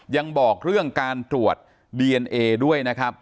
ยังบอกเรื่องการตรวจดีเอนเอด้วยนะครับ